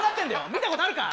見たことあるか？